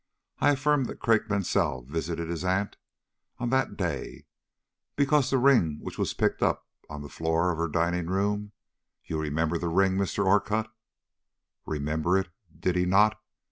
I affirm that Craik Mansell visited his aunt on that day, because the ring which was picked up on the floor of her dining room you remember the ring, Mr. Orcutt?" Remember it! Did he not?